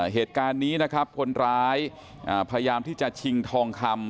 เหตุการณ์นี้นะครับคนร้ายพยายามที่จะชิงทองคำ